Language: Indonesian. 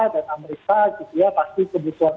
dan amerika jadi ya pasti kebutuhan